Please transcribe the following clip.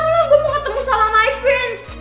maulah gue mau ketemu sama my friends